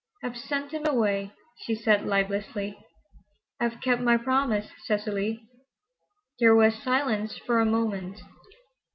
"I've sent him away," she said lifelessly. "I've kept my promise, Cecily." There was silence for a moment.